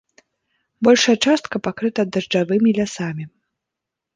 Большая частка пакрыта дажджавымі лясамі.